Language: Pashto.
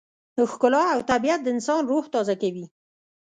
ښکلا او طبیعت د انسان روح تازه کوي.